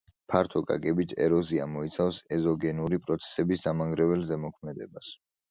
ფართო გაგებით ეროზია მოიცავს ეგზოგენური პროცესების დამანგრეველ ზემოქმედებას.